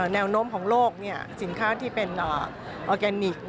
แนวโน้มของโลกสินค้าที่เป็นออร์แกนิค